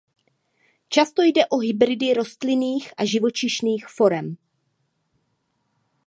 Často jde o hybridy rostlinných a živočišných forem.